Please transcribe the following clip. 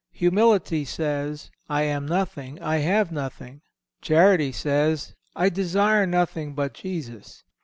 Humility says, "I am nothing, I have nothing." Charity says, "I desire nothing but Jesus."